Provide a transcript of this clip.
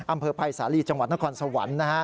อำเภอภัยสาลีจังหวัดนครสวรรค์